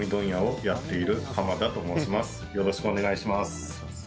よろしくお願いします。